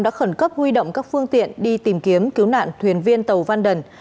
đã khẩn cấp huy động các phương tiện đi tìm kiếm cứu nạn thuyền viên tàu vanden